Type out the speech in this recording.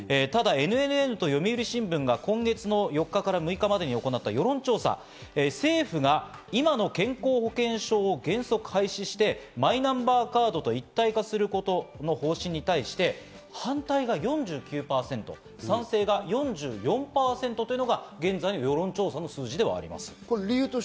ただＮＮＮと読売新聞が今月の４日から６日までに行った世論調査、政府が今の健康保険証を原則廃止してマイナンバーカードと一体化することの方針に対して、反対が４９％、賛成が４４％というのが現在の世論調査の数字ではあります。